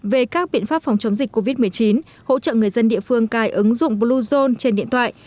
về các biện pháp phòng chống dịch covid một mươi chín hỗ trợ người dân địa phương cài ứng dụng bluezone trên điện thoại